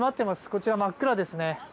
こちら、真っ暗ですね。